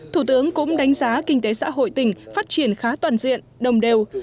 thủ tướng cũng đánh giá kinh tế xã hội tỉnh phát triển khá toàn diện đồng đều